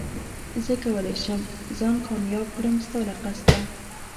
زه کولي شم ځان کامياب کړم ستا له قصده